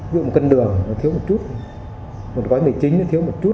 ví dụ một cân đường nó thiếu một chút một gói một mươi chín nó thiếu một chút